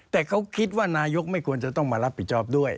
แต่เขาคิดว่านายกไม่ควรจะต้องมารับผิดชอบด้วย